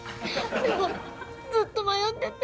でもずっと迷ってて。